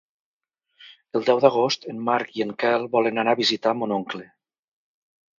El deu d'agost en Marc i en Quel volen anar a visitar mon oncle.